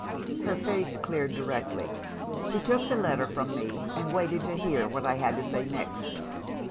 "Her face cleared directly. She took the letter from me, and waited to hear what I had to say next.